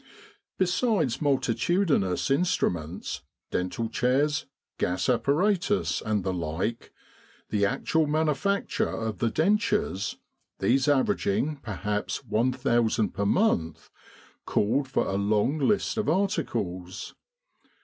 Besides multitudinous in struments, dental chairs, gas apparatus, and the like, the actual manufacture of the dentures these averaging perhaps 1,000 per month called for a long list of articles.